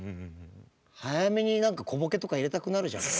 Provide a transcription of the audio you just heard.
早めに何か小ボケとか入れたくなるじゃない。